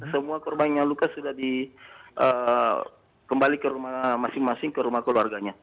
semua korban yang luka sudah kembali ke rumah masing masing ke rumah keluarganya